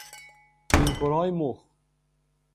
نیمکره های مخ